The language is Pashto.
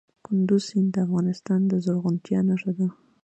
کندز سیند د افغانستان د زرغونتیا نښه ده.